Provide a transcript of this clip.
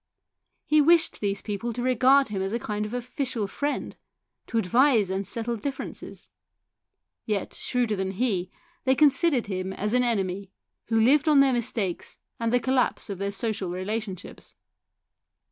He wished these people to regard him as a kind of official friend, to advise and settle differences ; yet, shrewder than he, they con sidered him as an enemy, who lived on their mistakes and the collapse of their social relationships.